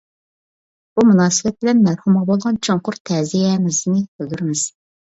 بۇ مۇناسىۋەت بىلەن مەرھۇمغا بولغان چوڭقۇر تەزىيەمىزنى بىلدۈرىمىز.